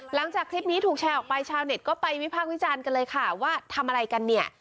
หลังจากคลิปนี้ถูกแชร์ออกไปชาวเน็ตก็ไปวิพากษ์วิจารณ์กันเลยค่ะว่าทำอะไรกันเนี่ย